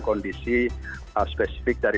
kondisi spesifik dari